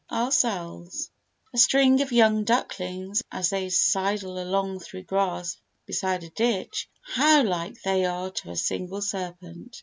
Our Cells A string of young ducklings as they sidle along through grass beside a ditch—how like they are to a single serpent!